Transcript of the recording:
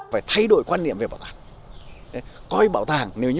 phải thay đổi quan niệm về bảo tàng